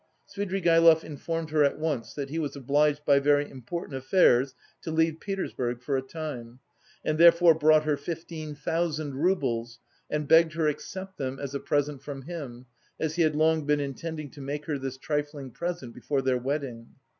Svidrigaïlov informed her at once that he was obliged by very important affairs to leave Petersburg for a time, and therefore brought her fifteen thousand roubles and begged her accept them as a present from him, as he had long been intending to make her this trifling present before their wedding.